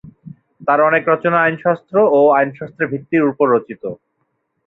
তাঁর অনেক রচনা আইনশাস্ত্র ও আইনশাস্ত্রের ভিত্তির উপর রচিত।